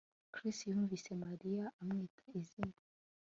Chris yumvise Mariya amwita izina